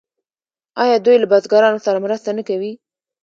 آیا دوی له بزګرانو سره مرسته نه کوي؟